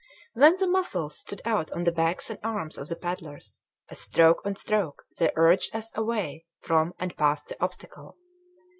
Then the muscles stood out on the backs and arms of the paddlers as stroke on stroke they urged us away from and past the obstacle.